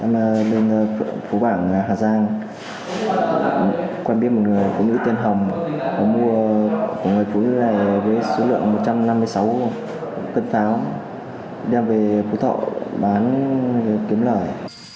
tại cơ quan công an sơn khai nhận đã thuê xe taxi do hùng lái lên hà giang để mua pháo sau đó vận chuyển về phú thọ với mục đích cất giấu để bán kiếm lời